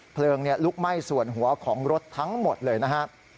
เพลิงลุกไหม้ส่วนหัวของรถทั้งหมดเลยนะครับ